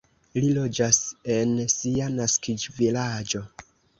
Li loĝas en sia naskiĝvilaĝo.